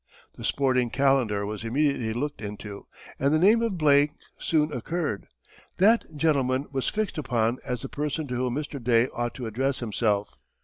The Sporting Kalendar was immediately looked into, and the name of Blake soon occurred; that gentleman was fixed upon as the person to whom Mr. Day ought to address himself.